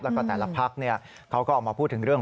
แล้วก็แต่ละพักเขาก็ออกมาพูดถึงเรื่อง